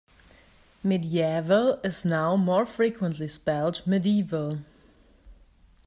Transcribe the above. Mediaeval is now more frequently spelled medieval.